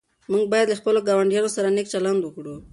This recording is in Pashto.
موږ باید له خپلو ګاونډیانو سره نېک چلند وکړو.